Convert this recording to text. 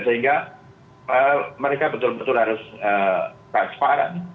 sehingga mereka betul betul harus transparan